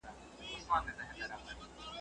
کوس گټي کولې مرگی ئې هير وو.